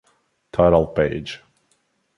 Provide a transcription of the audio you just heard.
Title page.